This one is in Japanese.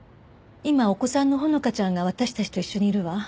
今お子さんの穂花ちゃんが私たちと一緒にいるわ。